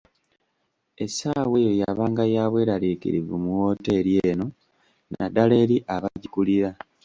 Essaawa eyo yabanga ya bwelarikirivu mu wooteri eno, naddala eri abagikulira.